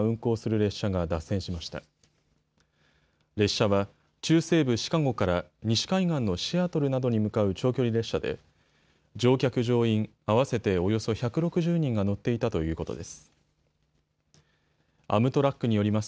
列車は中西部シカゴから西海岸のシアトルなどに向かう長距離列車で乗客乗員合わせておよそ１６０人が乗っていたということです。